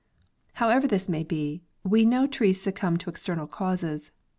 * However this may be, we know trees succumb to external causes.